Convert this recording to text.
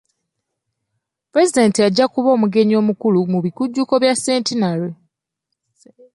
Pulezidenti ajja kuba omugenyi omukulu mu bikujjuko bya centenary.